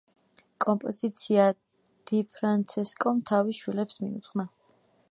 კომპოზიცია დიფრანცესკომ თავის შვილებს მიუძღვნა.